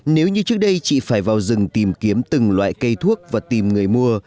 nếu như trước đây chị phải vào rừng tìm kiếm từng loại cây thuốc và tìm người mua